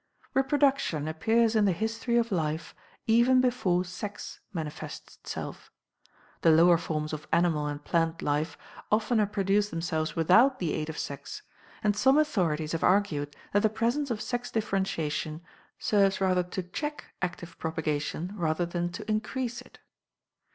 Reproduction appears in the history of life even before sex manifests itself. The lower forms of animal and plant life oftener produce themselves without the aid of sex, and some authorities have argued that the presence of sex differentiation serves rather to check active propagation rather than to increase it.